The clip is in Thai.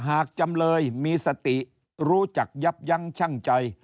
จำเลยมีสติรู้จักยับยั้งชั่งใจ